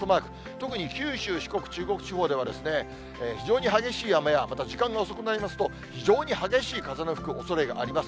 特に九州、四国、中国地方では、非常に激しい雨や、また時間が遅くなりますと、非常に激しい風の吹くおそれがあります。